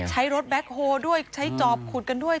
ใช้รถแบ็คโฮลด้วยใช้จอบขุดกันด้วย